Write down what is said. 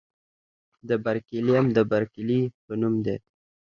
د برکیلیم د برکلي په نوم دی.